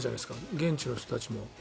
現地の人たちも。